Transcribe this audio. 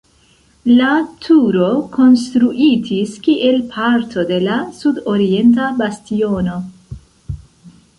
La turo konstruitis kiel parto de la sudorienta bastiono.